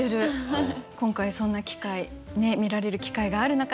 今回そんな機会ね見られる機会があるのかな。